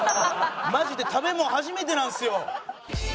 マジで食べ物初めてなんですよ。